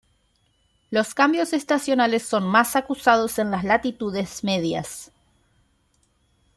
Los cambios estacionales son más acusados en las latitudes medias.